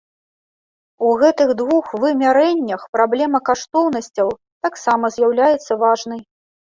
У гэтых двух вымярэннях праблема каштоўнасцяў таксама з'яўляецца важнай.